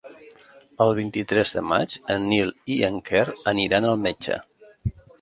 El vint-i-tres de maig en Nil i en Quer aniran al metge.